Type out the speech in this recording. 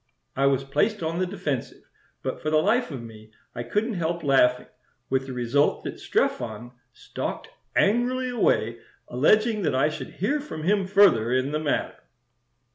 I was placed on the defensive, but for the life of me I couldn't help laughing, with the result that Strephon stalked angrily away, alleging that I should hear from him further in the matter."